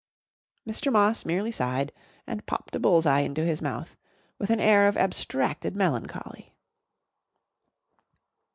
Mr. Moss merely sighed and popped a bull's eye into his mouth with an air of abstracted melancholy.